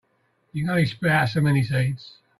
You can only spit out so many seeds.